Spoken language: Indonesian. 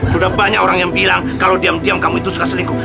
sudah banyak orang yang bilang kalau diam diam kamu itu suka selingkuh